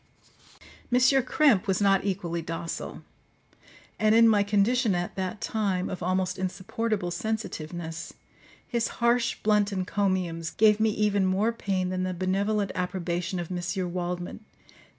M. Krempe was not equally docile; and in my condition at that time, of almost insupportable sensitiveness, his harsh blunt encomiums gave me even more pain than the benevolent approbation of M. Waldman.